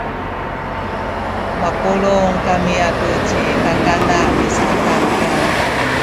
mapulung kami atu ci kakana misatankaw